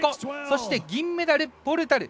そして銀メダルポルタル。